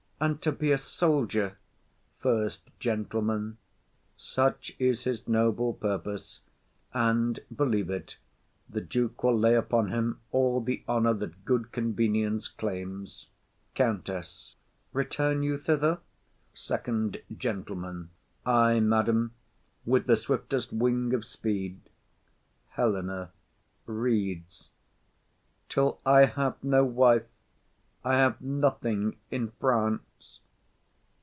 And to be a soldier? SECOND GENTLEMAN. Such is his noble purpose, and, believe't, The duke will lay upon him all the honour That good convenience claims. COUNTESS. Return you thither? FIRST GENTLEMAN. Ay, madam, with the swiftest wing of speed. HELENA. [Reads.] _Till I have no wife, I have nothing in France.